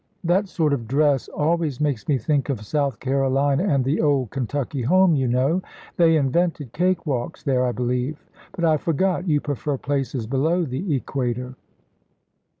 "That sort of dress always makes me think of South Carolina and the 'old Kentucky home,' you know. They invented cake walks there, I believe. But I forgot you prefer places below the equator."